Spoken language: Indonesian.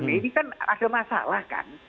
ini kan ada masalah kan